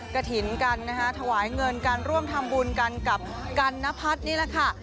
กระถิ่นกันนะคะถวายเงินการร่วมทำบุญกันกับกันนพัฒน์นี่แหละค่ะ